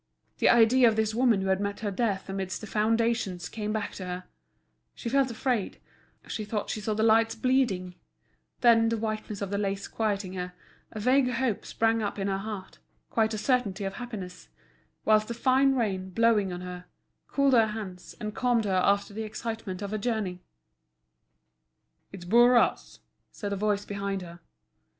The idea of this woman who had met her death amidst the foundations came back to her; she felt afraid, she thought she saw the lights bleeding; then, the whiteness of the lace quieting her, a vague hope sprang up in her heart, quite a certainty of happiness; whilst the fine rain, blowing on her, cooled her hands, and calmed her after the excitement of her journey. "It's Bourras," said a voice behind her.